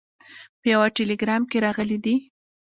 په یوه ټلګرام کې راغلي دي.